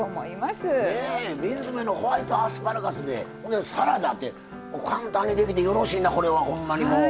瓶詰のホワイトアスパラガスでサラダって簡単にできてよろしいなこれはほんまにもう。